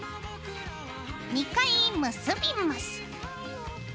２回結びます。